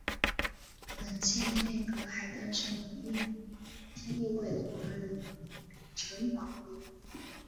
本届内阁还诞生了印尼第一位华人阁员陈宝源。